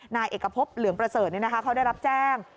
นายเอกพบเหลืองประเสริฐเขาได้รับแจ้ง